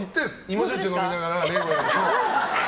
芋焼酎飲みながらレゴ。